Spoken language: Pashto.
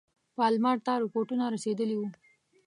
پالمر ته رپوټونه رسېدلي وه.